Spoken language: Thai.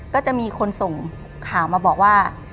ก็จะมีคนส่งข่าวมาบอกว่า